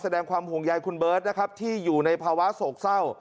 แสดงความห่วงใยคุณเบิร์ตนะครับที่อยู่ในภาวะโศกเศร้า